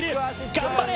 頑張れ！